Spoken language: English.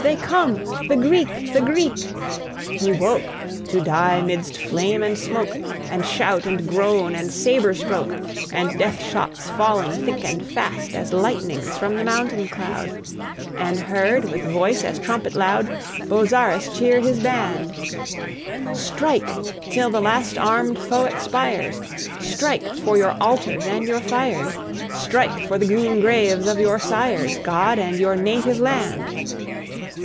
they come! the Greek! the Greek!" He woke to die midst flame, and smoke, And shout, and groan, and sabre stroke, And death shots falling thick and fast As lightnings from the mountain cloud; And heard, with voice as trumpet loud, Bozzaris cheer his band: "Strike till the last armed foe expires; Strike for your altars and your fires; Strike for the green graves of your sires; God and your native land!"